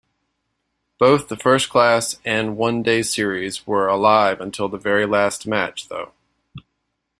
Both the first-class and one-day series were alive until the very last match, though.